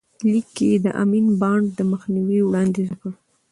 لیک کې یې د امین بانډ د مخنیوي وړاندیز وکړ.